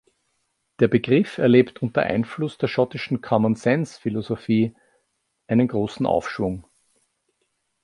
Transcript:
Der Begriff erlebt unter Einfluss der schottischen Common-Sense-Philosophie einen großen Aufschwung.